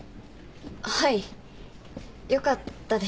はいよかったです。